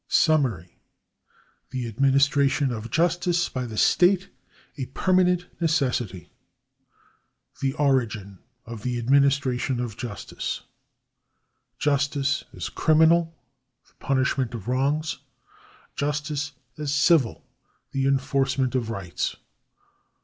SUMMARY. The administi ation of justice by the state a permanent necessity. The origin of the administration of justice. T ,. rCriminal — The punishment of wrongs. I^Civil — The enforcement of rights.